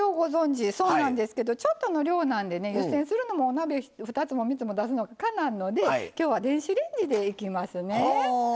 そうなんですけどちょっとの量なんで湯せんするのもお鍋２つも３つも出すのかなわんのできょうは電子レンジ出します。